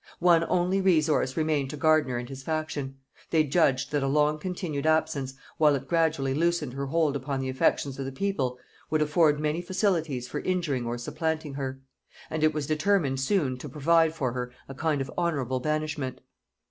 One only resource remained to Gardiner and his faction: they judged that a long continued absence, while it gradually loosened her hold upon the affections of the people, would afford many facilities for injuring or supplanting her; and it was determined soon to provide for her a kind of honorable banishment.